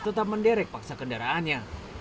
tetap menderek paksa kendaraannya